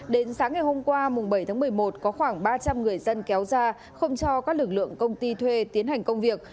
đến sáng ngày hôm qua bảy tháng một mươi một có khoảng ba trăm linh người dân kéo ra không cho các lực lượng công ty thuê tiến hành công việc